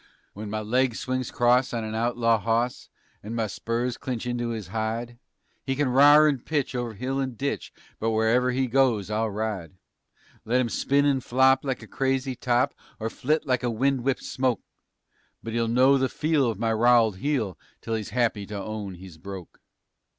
_ When my leg swings 'cross on an outlaw hawse And my spurs clinch into his hide, He kin r'ar and pitch over hill and ditch, But wherever he goes I'll ride. Let 'im spin and flop like a crazy top Or flit like a wind whipped smoke, But he'll know the feel of my rowelled heel Till he's happy to own he's broke.